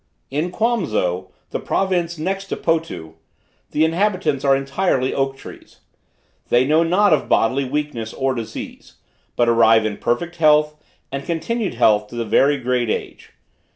In Quamso, the province next to Potu, the inhabitants are entirely oak trees. They know not of bodily weakness or disease, but arrive in perfect and continued health to a very great age.